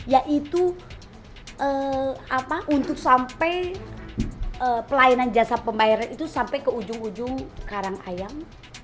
yaitu untuk sampai pelayanan jasa pembayaran itu sampai ke ujung ujung karangayam